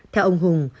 theo ông hùng